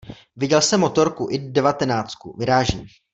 Viděl jsem motorku i devatenáctku, vyrážím.